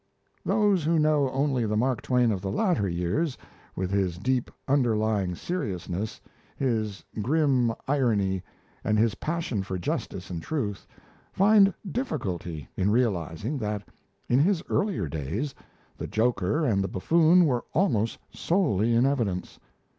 Those who know only the Mark Twain of the latter years, with his deep, underlying seriousness, his grim irony, and his passion for justice and truth, find difficulty in realizing that, in his earlier days, the joker and the buffoon were almost solely in evidence.